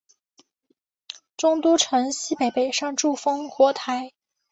中都城西北山上筑烽火台。